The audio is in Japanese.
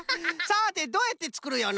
さてどうやってつくるよ？